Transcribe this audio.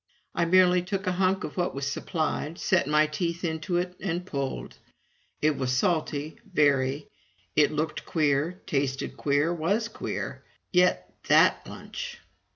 I merely took a hunk of what was supplied, set my teeth into it, and pulled. It was salty, very; it looked queer, tasted queer, was queer. Yet that lunch!